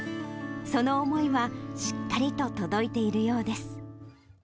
その思いはしっかりと届いているようです。